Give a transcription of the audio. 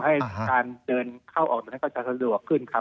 ให้การเดินเข้าออกตรงนั้นก็จะสะดวกขึ้นครับ